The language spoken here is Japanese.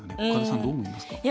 岡田さん、どう思いますか？